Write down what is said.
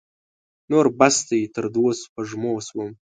نور بس دی؛ تر دوو سپږمو سوم.